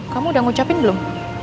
kamu udah ngucapin belum